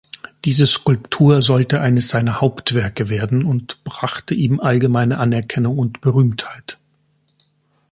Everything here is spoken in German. Diese Skulptur sollte eines seiner Hauptwerke werden und brachte ihm allgemeine Anerkennung und Berühmtheit.